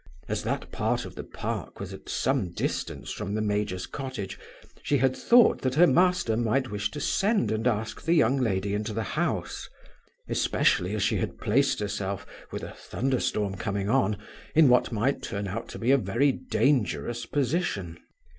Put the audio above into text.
As that part of the park was at some distance from the major's cottage, she had thought that her master might wish to send and ask the young lady into the house especially as she had placed herself, with a thunder storm coming on, in what might turn out to be a very dangerous position.